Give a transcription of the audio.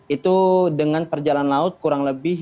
itu dengan perjalanan laut kurang lebih